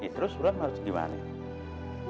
terus suran harus gimana